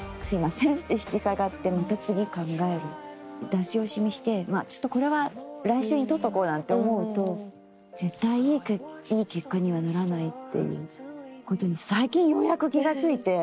出し惜しみしてちょっとこれは来週に取っとこうなんて思うと絶対いい結果にはならないっていうことに最近ようやく気が付いて。